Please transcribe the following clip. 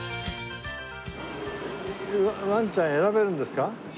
ワンちゃん選べるんですか？